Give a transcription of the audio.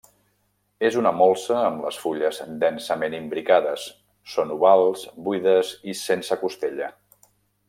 És una molsa amb les fulles densament imbricades, són ovals, buides i sense costella.